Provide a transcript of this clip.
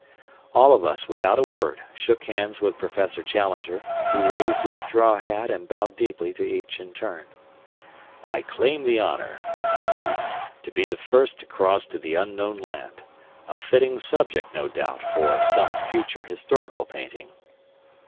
All of us, without a word, shook hands with Professor Challenger, who raised his straw hat and bowed deeply to each in turn. "I claim the honor," said he, "to be the first to cross to the unknown land a fitting subject, no doubt, for some future historical painting."